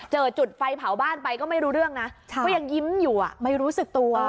จุดไฟเผาบ้านไปก็ไม่รู้เรื่องนะก็ยังยิ้มอยู่ไม่รู้สึกตัว